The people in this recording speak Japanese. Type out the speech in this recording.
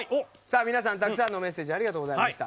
皆さん、たくさんのメッセージありがとうございました。